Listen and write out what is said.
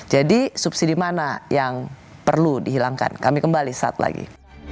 jadi subsidi mana yang perlu dihilangkan kami kembali saat lagi